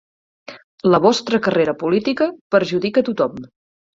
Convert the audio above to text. La vostra carrera política perjudica tothom.